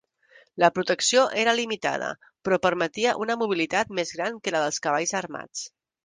La protecció era limitada, però permetia una mobilitat més gran que la dels cavalls armats.